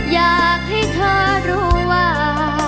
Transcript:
อยากให้เธอรู้ว่า